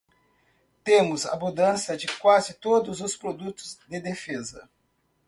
Temos abundância de quase todos os produtos de defesa.